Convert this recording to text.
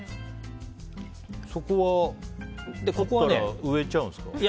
そこは取ったら植えちゃうんですか？